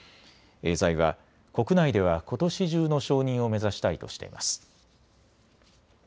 エーザイは国内ではことし中の承認を目指したいとしています。